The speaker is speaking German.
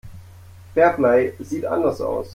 Fairplay sieht anders aus.